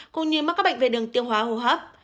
cũng như mắc các bệnh về đường tiêu hóa hồ hấp